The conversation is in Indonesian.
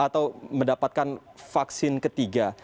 atau mendapatkan vaksin ketiga